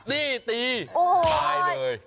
นี่ตีตายเลย